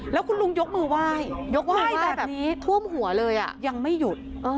แล้วคุณลุงยกมือไหว้ยกไหว้แบบนี้ท่วมหัวเลยยังไม่หยุด